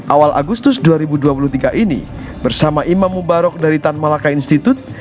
awal agustus dua ribu dua puluh tiga ini bersama imam mubarok dari tan malaka institute